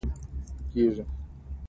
د هوایی دهلیز اسانتیاوې شته؟